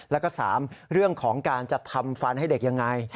แล้วก็สามเรื่องของการจัดทำฟันให้เด็กอย่างไร